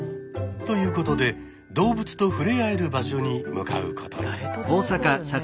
ということで動物と触れ合える場所に向かうことに。